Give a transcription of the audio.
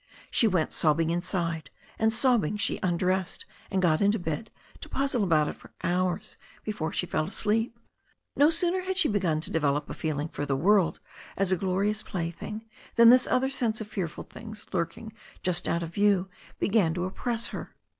She went sobbing inside, and sobbing she undressed and got into bed to puzzle about it for hours before she fell asleep. No sooner had she begun to develop a feeling for the world as a glorious plaything than this other sense of fearful things lurking just out of view began to oppress her.